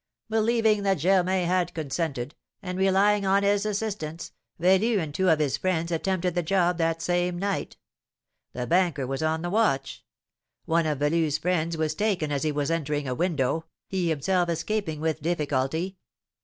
"Believing that Germain had consented, and relying on his assistance, Velu and two of his friends attempted the job that same night. The banker was on the watch; one of Velu's friends was taken as he was entering a window, he himself escaping with difficulty.